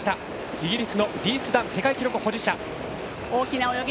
イギリスのリース・ダン世界記録保持者。